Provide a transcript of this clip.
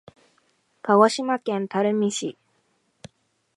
鹿児島県垂水市